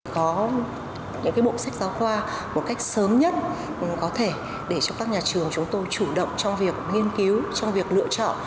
có những bộ sách giáo khoa một cách sớm nhất có thể để cho các nhà trường chúng tôi chủ động trong việc nghiên cứu trong việc lựa chọn